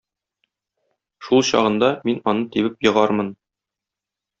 Шул чагында мин аны тибеп егармын.